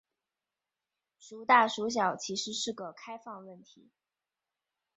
孰大孰小其实是个开放问题。